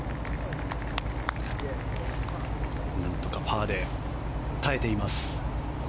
何とか、パーで耐えています。